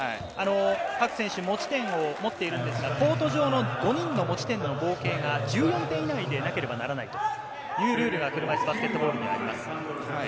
各選手、持ち点を持っているんですが、コート上の５人の持ち点の合計が１４点以内でなければならないというルールが車いすバスケットボールにはあります。